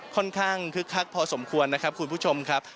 คึกคักพอสมควรนะครับคุณผู้ชมครับ